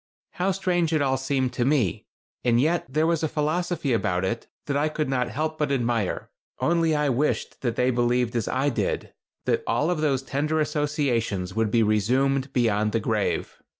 How strange it all seemed to me, and yet there was a philosophy about it that I could not help but admire. Only I wished that they believed as I did, that all of those tender associations would be resumed beyond the grave.